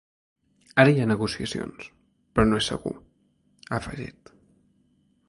Ara hi ha negociacions, però no és segur, ha afegit.